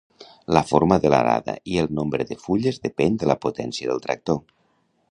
La forma de l'arada i el nombre de fulles depèn de la potència del tractor.